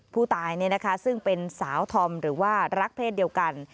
ผู้ตายซึ่งเป็นสาวธอมหรือว่ารักเพศเดียวกัน